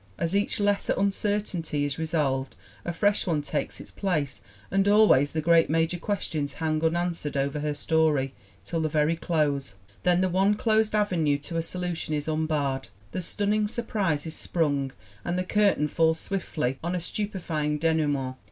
As each lesser uncertainty is resolved a fresh one takes its place and always the great major questions hang unanswered over her story till the very close. Then the one closed avenue to ANNA KATHARINE GREEN 209 a solution is unbarred, the stunning surprise is sprung and the curtain falls swiftly on a stupefying denoue ment.